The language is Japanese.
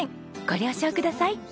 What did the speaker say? ご了承ください。